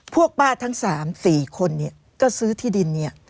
พวกป้าทั้ง๓๔คนก็ซื้อที่ดิน